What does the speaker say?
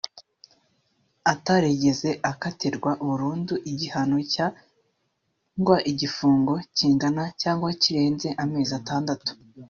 atarigeze akatirwa burundu igihano cy’igifungo kingana cyangwa kirenze amezi atandatu (